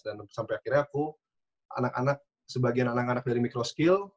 dan sampai akhirnya aku anak anak sebagian anak anak dari micro skill